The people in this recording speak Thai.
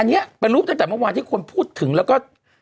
อันนี้เป็นรูปตั้งแต่เมื่อวานที่คนพูดถึงแล้วก็